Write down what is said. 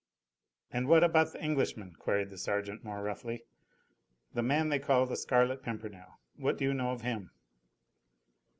"And what about the Englishman?" queried the sergeant more roughly, "the man they call the Scarlet Pimpernel, what do you know of him?"